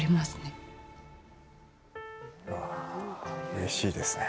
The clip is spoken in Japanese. うれしいですね。